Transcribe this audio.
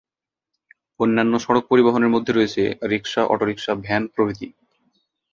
অন্যান্য সড়ক পরিবহনের মধ্যে রয়েছে রিকশা, অটোরিকশা, ভ্যান প্রভৃতি।